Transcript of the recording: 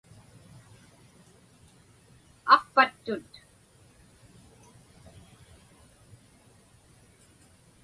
Aqpattut.